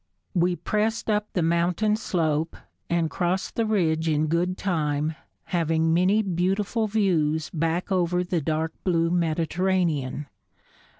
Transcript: We pressed up the mountain slope and crossed the ridge in good time, having many beautiful views back over the dark blue Mediterranean.